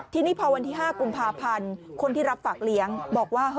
ทีนี้พอวันที่๕กุมภาพันธ์คนที่รับฝากเลี้ยงบอกว่า